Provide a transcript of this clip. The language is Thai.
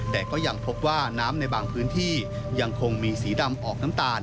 แต่ก็ยังพบว่าน้ำในบางพื้นที่ยังคงมีสีดำออกน้ำตาล